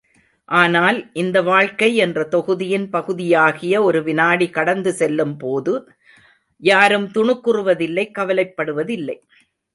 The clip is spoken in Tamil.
ஆனால், இந்த வாழ்க்கை என்ற தொகுதியின் பகுதியாகிய ஒரு வினாடி கடந்து செல்லும்போது யாரும் துணுக்குறுவதில்லை கவலைப்படுவதில்லை.